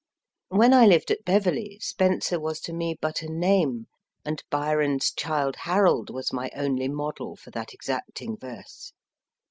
When I lived at Bcverley, Spenser was to me but a name, and Byron s Childe Harold was my only model for that exacting verse.